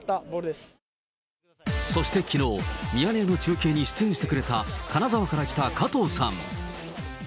そしてきのう、ミヤネ屋の中継に出演してくれた金沢から来た加藤さん。